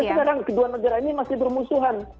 tapi sekarang kedua negara ini masih bermusuhan